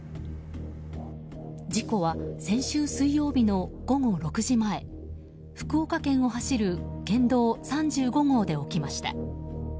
事故は先週水曜日の午後６時前福岡県を走る県道３５号で起きました。